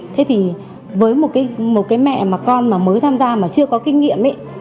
thế thì với một cái mẹ mà con mà mới tham gia mà chưa có kinh nghiệm ấy